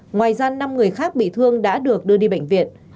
ngoài ra năm người khác bị thương đã được đưa đi bệnh viện